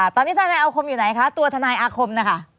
ตอนนี้ทนายอาคมอยู่ไหนคะตัวทนายอาคมนะคะ